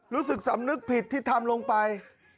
รู้สึกสำนึกผิดที่ทำลงไป